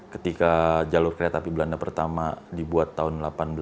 ketika jalur kereta api belanda pertama dibuat tahun seribu delapan ratus sembilan puluh